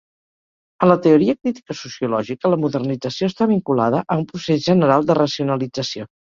En la teoria crítica sociològica, la modernització està vinculada a un procés general de racionalització.